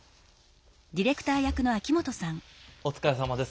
お疲れさまです。